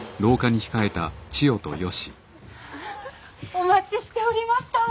お待ちしておりましたわ。